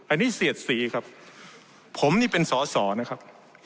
อันนี้เสียดสีครับผมนี่เป็นสอสอนะครับ